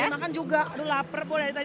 jadi makan juga aduh lapar gue dari tadi